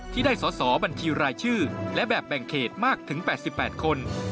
ที่ได้สอสอบัญชีรายชื่อและแบบแบ่งเขตมากถึง๘๘คน